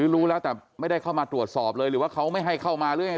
รู้แล้วแต่ไม่ได้เข้ามาตรวจสอบเลยหรือว่าเขาไม่ให้เข้ามาหรือยังไง